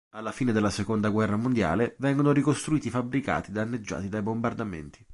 Alla fine della seconda guerra mondiale, vengono ricostruiti i fabbricati danneggiati dai bombardamenti.